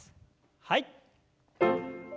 はい。